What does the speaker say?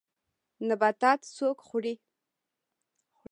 نباتات څوک خوري